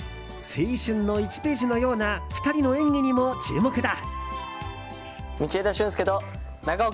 青春の１ページのような２人の演技にも注目だ。